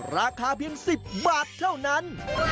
ราคาเพียง๑๐บาทเท่านั้น